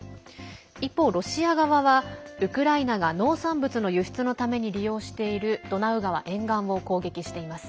一方、ロシア側はウクライナが農産物の輸出のために利用しているドナウ川沿岸を攻撃しています。